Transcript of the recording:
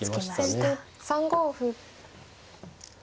先手３五歩。